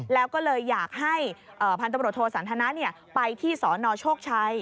แล้วก็เลยอยากให้พันตำรวจโทสันทนะไปที่สนโชคชัย